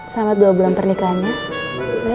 selamat dua bulan pernikahannya